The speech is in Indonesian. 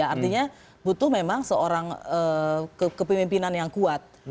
artinya butuh memang seorang kepemimpinan yang kuat